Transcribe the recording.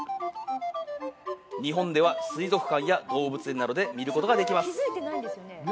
日本では水族館や動物園などで見ることができます。